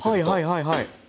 はいはいはいはい。